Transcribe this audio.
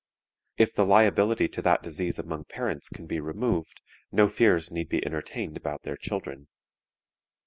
If the liability to that disease among parents can be removed, no fears need be entertained about their children.